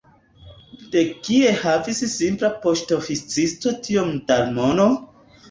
De kie havis simpla poŝtoficisto tiom da mono?